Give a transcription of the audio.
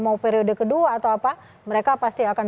mau periode kedua atau apa mereka pasti akan